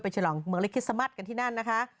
ไปเฉลองเมื่อเรศทธิสมัสกันที่นั่นน่ะครับ